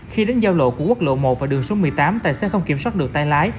khi đến giao lộ của quốc lộ một và đường số một mươi tám tài xế không kiểm soát được tay lái